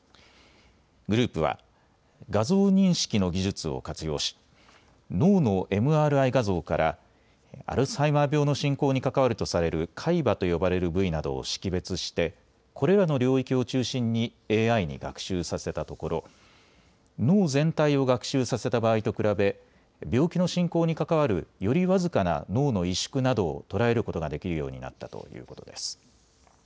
グループは画像認識の技術を活用し脳のＭＲＩ画像からアルツハイマー病の進行に関わるとされる海馬と呼ばれる部位などを識別してこれらの領域を中心にＡＩに学習させたところ脳全体を学習させた場合と比べ病気の進行に関わるより僅かな脳の萎縮などを捉えることができるようになったということです。